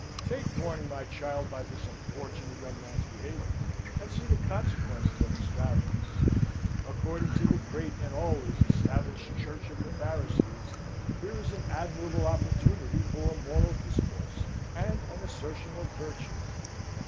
Take warning, my child, by this unfortunate young man's behaviour, and see the consequences of extravagance. According to the great and always Established Church of the Pharisees, here is an admirable opportunity for a moral discourse, and an assertion of virtue.